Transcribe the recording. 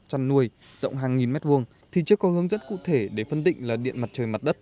trăn nuôi rộng hàng nghìn m hai thì chưa có hướng dẫn cụ thể để phân tịnh là điện mặt trời mặt đất